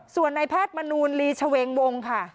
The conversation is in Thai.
ส่วนในแพทย์มนูลลีชเวงวงค่ะ